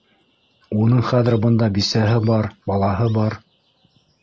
Уның хәҙер бында бисәһе бар, балаһы бар.